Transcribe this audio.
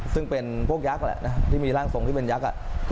ซึ่งเป็นพวกยักษ์แหละนะที่มีร่างทรงที่เป็นยักษ์